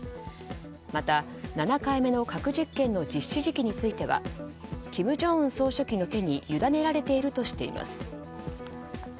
また７回目の核実験の実施時期については金正恩総書記の手にゆだねられているとしています。